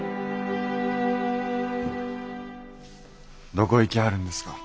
どこ行きはるんですか？